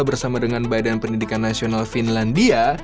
bersama dengan badan pendidikan nasional finlandia